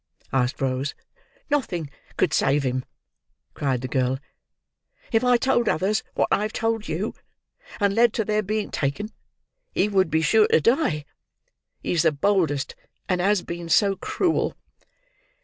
asked Rose. "Nothing could save him," cried the girl. "If I told others what I have told you, and led to their being taken, he would be sure to die. He is the boldest, and has been so cruel!"